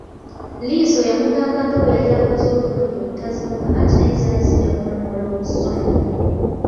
Liiso yamugamba nga bwe yali akoze obulungi obutazirumba anti naye zaali zijja kumuluma olw’obusungu.